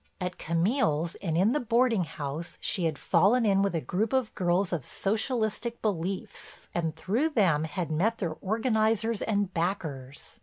At Camille's and in the boarding house she had fallen in with a group of girls of Socialistic beliefs and, through them, had met their organizers and backers.